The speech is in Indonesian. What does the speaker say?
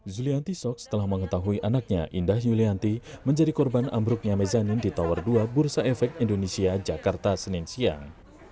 zulianti sok setelah mengetahui anaknya indah yulianti menjadi korban ambruknya mezanin di tower dua bursa efek indonesia jakarta senin siang